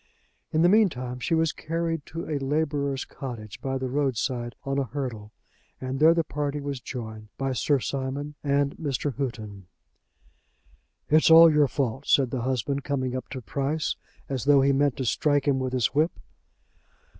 In the meantime she was carried to a labourer's cottage by the roadside on a hurdle, and there the party was joined by Sir Simon and Mr. Houghton. "It's all your fault," said the husband, coming up to Price as though he meant to strike him with his whip.